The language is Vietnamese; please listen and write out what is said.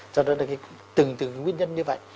cho nên là cái từng từng cái nguyên nhân như vậy